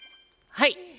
はい。